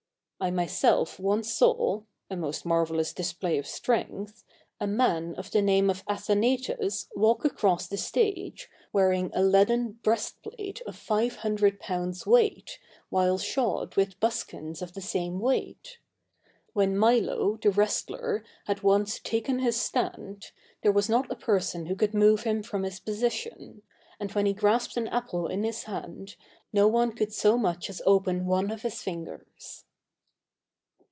I myself once saw,—a most marvellous display of strength,—a man of the name of Athanatus walk across the stage, wearing a leaden breast plate of five hundred pounds weight, while shod with buskins of the same weight. When Milo, the wrestler, had once taken his stand, there was not a person who could move him from his position; and when he grasped an apple in his hand, no one could so much as open one of his fingers.